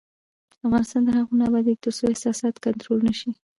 افغانستان تر هغو نه ابادیږي، ترڅو احساسات کنټرول نشي.